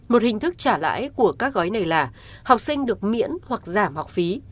một hình thức trả lãi của các gói này là học sinh được miễn hoặc giảm học phí